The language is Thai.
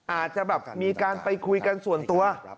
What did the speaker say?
อาจจะแบบมีการไปคุยกันส่วนตัว